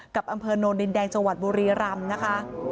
กับอำเภอโนนดินแดงจังหวัดบุรีรำนะคะ